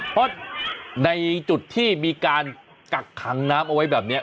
เพราะในจุดที่มีการกักขังน้ำเอาไว้แบบนี้